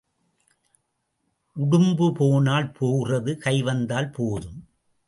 உடும்பு போனால் போகிறது கை வந்தால் போதும்.